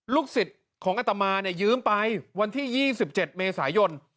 สิทธิ์ของอัตมายืมไปวันที่๒๗เมษายน